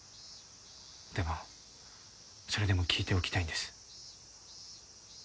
でもそれでも聞いておきたいんです。